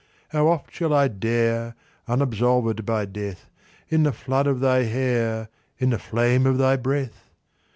How oft shall I dare, Unabsolved by death, In the flood of thy hair, In the fame of thy breath